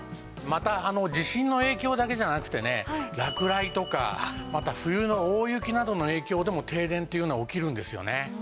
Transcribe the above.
また地震の影響だけじゃなくてね落雷とかまた冬の大雪などの影響でも停電っていうのは起きるんですよね。